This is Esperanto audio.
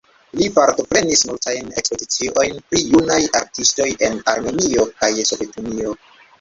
Li partoprenis multajn ekspoziciojn pri junaj artistoj en Armenio kaj Sovetunio.